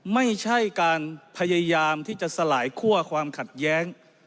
ไม่ใช่การพยายามที่จะสลายคั่วความขัดแย้ง